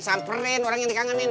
samperin orang yang dikangenin